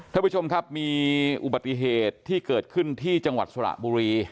ท่านผู้ชมครับมีอุบัติเหตุที่เกิดขึ้นที่จังหวัดสระบุรี